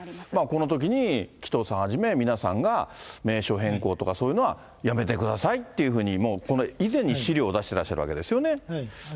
このときに紀藤さんはじめ、皆さんが名称変更とかそういうのはやめてくださいっていうふうに、もうこの以前に資料を出していらっしゃるわけですよね。